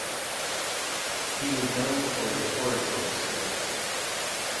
He was known for his oratory skills.